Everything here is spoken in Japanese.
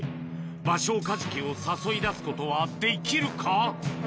バショウカジキを誘い出すことはできるか？